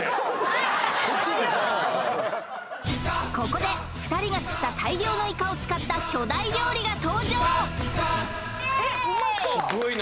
ここで２人が釣った大量のイカを使ったイエーイ！